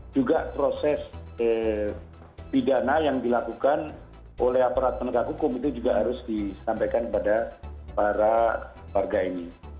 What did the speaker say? juga proses pidana yang dilakukan oleh aparat penegak hukum itu juga harus disampaikan kepada para warga ini